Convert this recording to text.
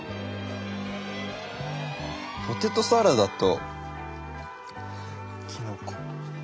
ポテトサラダとキノコ。